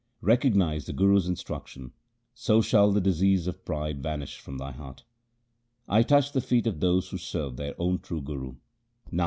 Recognize the Guru's instruction, so shall the disease of pride vanish from thy heart. I touch the feet of those who serve their own true Guru.